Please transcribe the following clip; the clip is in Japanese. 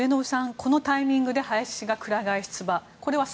このタイミングで林氏がくら替え出馬。